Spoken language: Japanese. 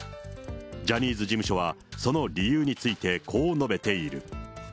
ジャニーズ事務所はその理由について、こう述べている。